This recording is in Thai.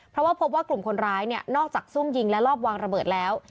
เพราะว่าพบว่ากลุ่มคนร้ายเนี่ยนอกจากซุ่มยิงและรอบวางระเบิดแล้ว